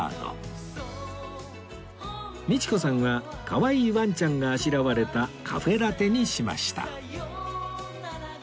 道子さんはかわいいワンちゃんがあしらわれたカフェラテにしました